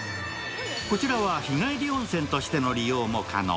こちらは日帰り温泉としての理由も可能。